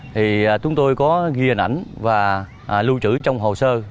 thì chúng tôi có ghi hình ảnh và lưu trữ trong hồ sơ